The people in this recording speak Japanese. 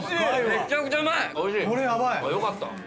めちゃくちゃうまい！